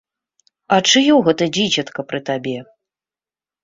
А чыё гэта дзіцятка пры табе?